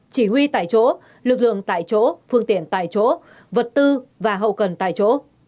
chỉ huy tại chỗ lực lượng tại chỗ phương tiện tại chỗ vật tư và hậu cần tại chỗ